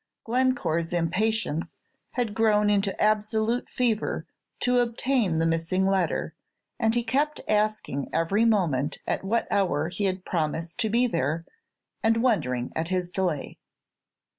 Glencore's impatience had grown into absolute fever to obtain the missing letter, and he kept asking every moment at what hour he had promised to be there, and wondering at his delay.